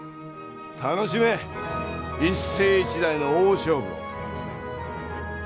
楽しめ一世一代の大勝負を！